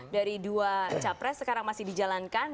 dari dua capres sekarang masih dijalankan